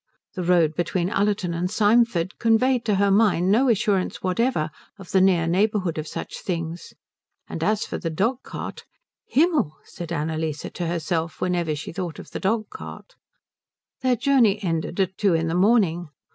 The road between Ullerton and Symford conveyed to her mind no assurance whatever of the near neighbourhood of such things; and as for the dog cart "Himmel," said Annalise to herself, whenever she thought of the dog cart. Their journey ended at two in the morning.